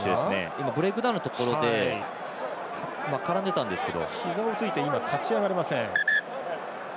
今ブレイクダウンのところで絡んでたんですけどひざをついて立ち上がれません。